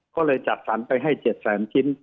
ก็เลยจัดสรรไปให้๗แสนชิ้น